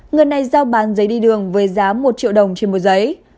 người này giao bán giấy đi đường với giá một triệu đồng trên một giấy